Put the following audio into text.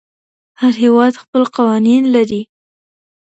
هر هېواد خپل قوانين لري.